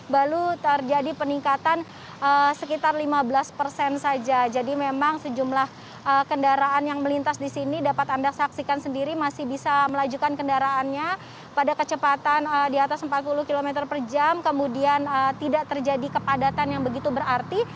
lalu terjadi peningkatan sekitar lima belas persen saja jadi memang sejumlah kendaraan yang melintas di sini dapat anda saksikan sendiri masih bisa melajukan kendaraannya pada kecepatan di atas empat puluh km per jam kemudian tidak terjadi kepadatan yang begitu berarti